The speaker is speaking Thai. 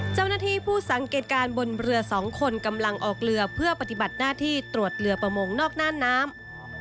ผู้สังเกตการณ์บนเรือ๒คนกำลังออกเรือเพื่อปฏิบัติหน้าที่ตรวจเรือประมงนอกหน้าน้ำ